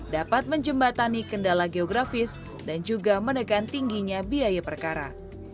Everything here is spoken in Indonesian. dapat menjembatani kendala geografis dan juga menekan tingginya biaya perkara